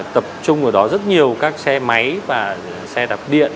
tập trung ở đó rất nhiều các xe máy và xe đạp điện